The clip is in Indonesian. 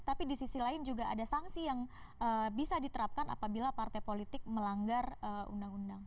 tapi di sisi lain juga ada sanksi yang bisa diterapkan apabila partai politik melanggar undang undang